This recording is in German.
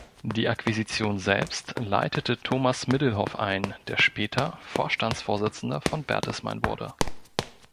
Die Akquisition selbst leitete Thomas Middelhoff ein, der später Vorstandsvorsitzender von Bertelsmann wurde.